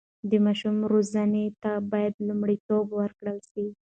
د ماشومانو روزنې ته باید لومړیتوب ورکړل سي.